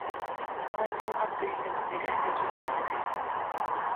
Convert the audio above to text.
バージョンアップしても目立った機能はなし